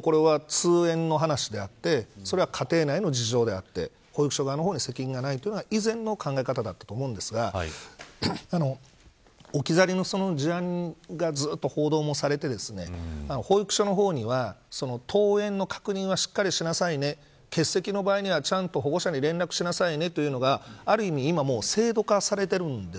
これは通園の話であってそれは家庭の事情であって保育所側に責任がないというのが以前の考え方だったと思うんですが置き去りの事案がずっと報道もされて保育所の方には登園への確認はしっかりしなさいね欠席の場合はちゃんと保護者に連絡しなさいねというのがある意味、今もう制度化されているんです。